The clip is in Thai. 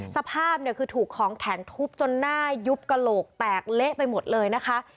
สภาพเนี่ยคือถูกของแข็งทุบจนหน้ายุบกระโหลกแตกเละไปหมดเลยนะคะ